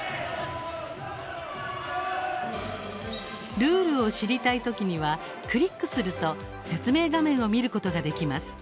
ルールを知りたいときにはクリックすると説明画面を見ることができます。